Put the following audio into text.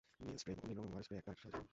নীল রং আর স্প্রে একটা আরেকটার সাথে যায়।